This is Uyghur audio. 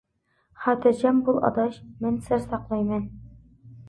-خاتىرجەم بول ئاداش، مەن سىر ساقلايمەن.